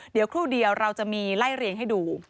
เดี๋ยวครู่เดียวเราจะมีไล่เรียงให้ดู